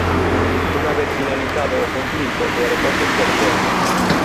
Unha vez finalizado o conflito o aeroporto floreceu.